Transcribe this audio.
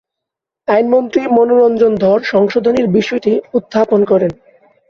আইনমন্ত্রী মনোরঞ্জন ধর সংশোধনীর বিষয়টি উত্থাপন করেন।